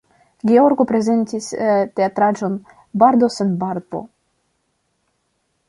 Georgo prezentis teatraĵon "Bardo sen Barbo".